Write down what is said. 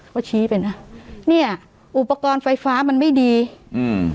เขาชี้ไปนะเนี้ยอุปกรณ์ไฟฟ้ามันไม่ดีอืม